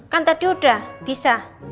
kan tadi udah bisa